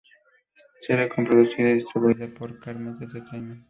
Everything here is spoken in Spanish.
Serie coproducida y distribuida por Comet Entertainment.